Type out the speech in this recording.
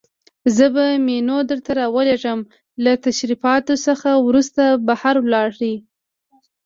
زه به منیو درته راولېږم، له تشریفاتو څخه وروسته بهر ولاړ.